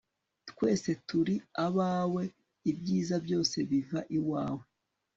twese turi abawe, ibyiza byose biva iwawe